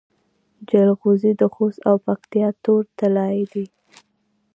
جلغوزي د خوست او پکتیا تور طلایی دي.